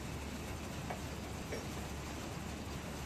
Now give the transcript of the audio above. Basi tamashani hapo vyakula vya asili ya Zanzibar ni kivutio kikubwa